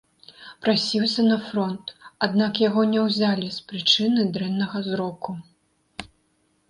Прасіўся на фронт, аднак яго не ўзялі з прычыны дрэннага зроку.